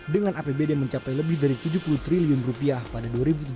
dengan apbd mencapai lebih dari tujuh puluh triliun rupiah pada dua ribu tujuh belas